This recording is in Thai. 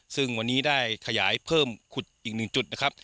ซึ่งวันนี้ได้ขยายเพิ่มขุดอีกหนึ่งจุดนะครับ